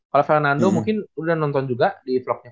kalau fernando mungkin udah nonton juga di vlognya